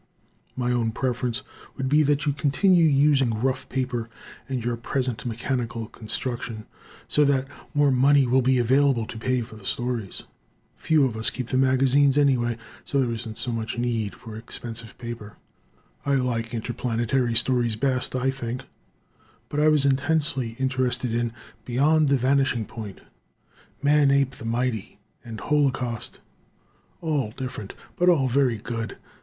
My own preference would be that you continue using rough paper and your present mechanical construction, so that more money will be available to pay for the stories. Few of us keep the magazines anyway, so there isn't so much need for expensive paper. I like interplanetary stories best, I think; but I was intensely interested in "Beyond the Vanishing Point," "Manape the Mighty" and "Holocaust." All different, but all very good.